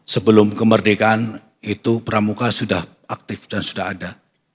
sebelum kemerdekaan itu pramuka sudah aktif dan sudah ada